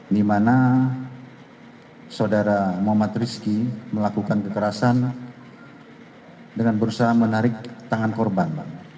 di mana saudara muhammad rizki melakukan kekerasan dengan berusaha menarik tangan korban